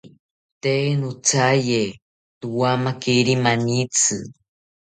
Tee nothaye nowamakiri manitzi